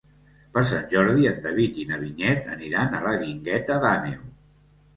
Per Sant Jordi en David i na Vinyet aniran a la Guingueta d'Àneu.